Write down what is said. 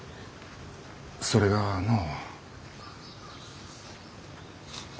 それがのう。